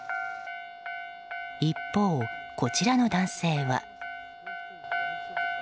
一方、こちらの男性は。